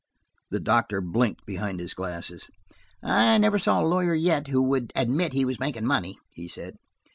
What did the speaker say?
The doctor blinked behind his glasses. "I never saw a lawyer yet who would admit he was making money," he said.